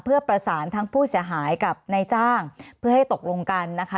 เพื่อประสานทั้งผู้เสียหายกับนายจ้างเพื่อให้ตกลงกันนะคะ